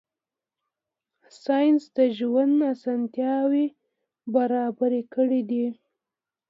ساینس د ژوند اسانتیاوې برابرې کړې دي.